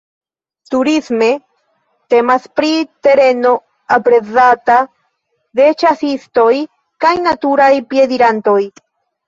Turisme temas pri tereno aprezata de ĉasistoj kaj naturaj piedirantoj.